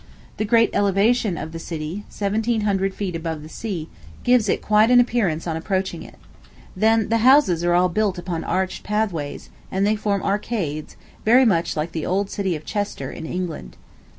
The great elevation of the city seventeen hundred feet above the sea gives it quite an appearance on approaching it. Then the houses are all built upon arched pathways, and they form arcades, very much like the old city of Chester, in England.